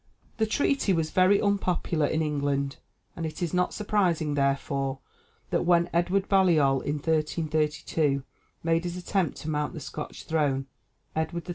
The treaty was very unpopular in England, and it is not surprising, therefore, that, when Edward Baliol in 1332 made his attempt to mount the Scotch throne, Edward III.